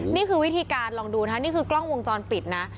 นี่คือวิธีการลองดูนะคะนี่คือกล้องวงจรปิดนะ